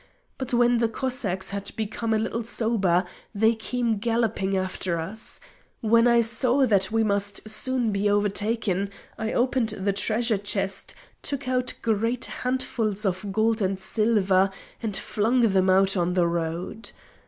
But when the Cossacks had become a little sober they came galloping after us. When I saw that we must soon be overtaken, I opened the treasure chest took out great handfuls of gold and silver, and flung them on the road.